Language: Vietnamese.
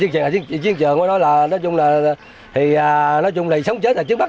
chiến trường của nó là nói chung là thì nói chung là sống chết là trước bắt